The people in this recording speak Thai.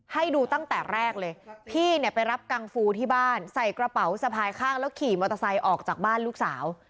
ให้ดูตั้งแต่แรกเลยพี่เนี่ยไปรับกังฟูที่บ้านใส่กระเป๋าสะพายข้างแล้วขี่มอเตอร์ไซค์ออกจากบ้านลูกสาว